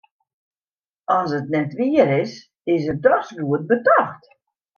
As it net wier is, is it dochs goed betocht.